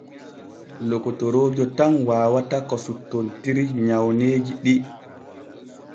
Lokotoroojo tan waawata ko suttontiri nyawneeji ɗi.